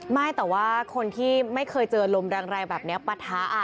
ไม่แต่ว่าคนที่ไม่เคยเจอลมแรงแบบนี้ปะทะ